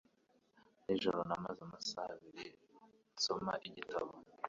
Nijoro namaze amasaha abiri nsoma igitabo.